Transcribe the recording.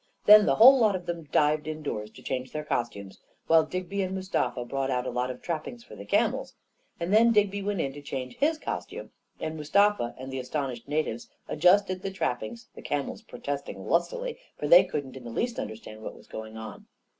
Then the whole lot of them dived indoors to change their costumes, while Digby and Mustafa brought out a lot of trap* pings for the camels; and then Digby went in to change kis costume, and Mustafa and the astonished natives adjusted the trappings, the camels protest ing lustily, for they couldn't in the least understand what was going on.